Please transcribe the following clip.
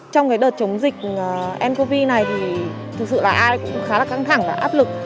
trong cái đợt chống dịch ncov này thì thực sự là ai cũng khá là căng thẳng và áp lực